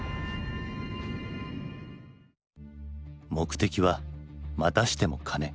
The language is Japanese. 目的はまたしても金。